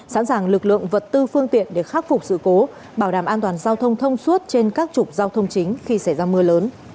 sẵn sàng lực lượng vật tư phương tiện để khắc phục sự cố bảo đảm an toàn giao thông thông suốt trên các trục giao thông chính khi xảy ra mưa lớn